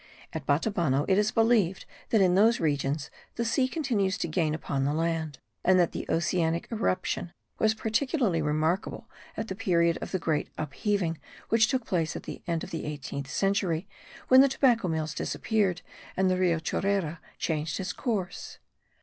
At Batabano it is believed that in those regions the sea continues to gain upon the land, and that the oceanic irruption was particularly remarkable at the period of the great upheaving which took place at the end of the eighteenth century, when the tobacco mills disappeared, and the Rio Chorrera changed its course.